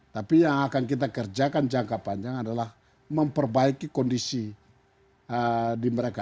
tapi yang akan kita kerjakan jangka panjang adalah memperbaiki kondisi di mereka